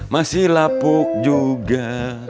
masih lapuk juga